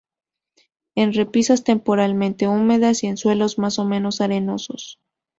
En repisas temporalmente húmedas, y en suelos más o menos arenosos.